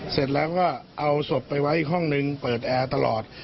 เสร็จแล้วก็เอาศพไปไว้อีกห้องนึงเปิดแอร์ตลอด